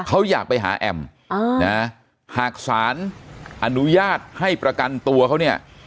เขาอยากไปหาแอมหากศาลอนุญาตให้ประกันตัวเขาเนี่ย